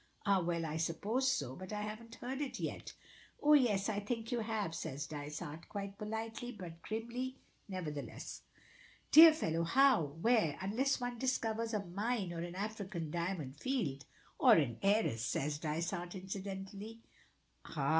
"Ah, well, I suppose so. But I haven't heard it yet." "Oh, yes, I think you have," says Dysart, quite politely, but grimly, nevertheless. "Dear fellow, how? where? unless one discovers a mine or an African diamond field?" "Or an heiress," says Dysart, incidentally. "Hah!